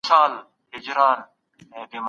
د پيغمبر لارښوونې تلپاتې دي.